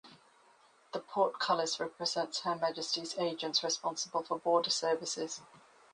The portcullis represents Her Majesty's agents responsible for border services.